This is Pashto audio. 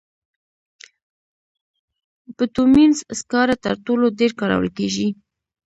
بټومینس سکاره تر ټولو ډېر کارول کېږي.